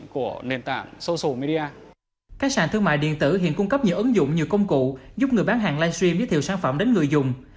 các sàn thương mại điện tử hiện cung cấp nhiều ứng dụng nhiều công cụ giúp người bán hàng livestream giới thiệu sản phẩm đến người dùng